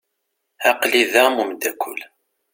Aql-i da am umdakel.